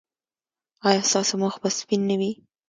ایا ستاسو مخ به سپین نه وي؟